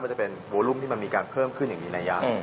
มันจะเป็นวูลุ่มที่มันมีการเพิ่มขึ้นอย่างมีนัยยะ